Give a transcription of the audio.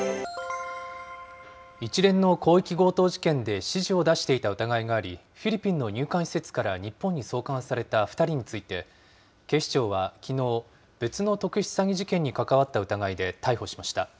一連の広域強盗事件で指示を出していた疑いがあり、フィリピンの入管施設から日本に送還された２人について、警視庁はきのう、別の特殊詐欺事件に関わった疑いで逮捕しました。